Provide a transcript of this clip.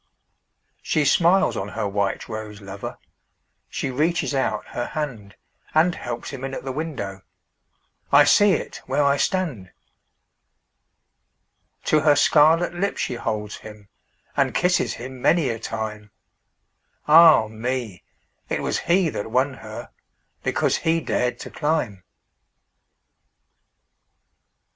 She smiles on her white rose lover, She reaches out her handAnd helps him in at the window—I see it where I stand! To her scarlet lip she holds him, And kisses him many a time—Ah, me! it was he that won herBecause he dared to climb!